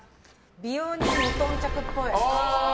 美容に無頓着っぽい。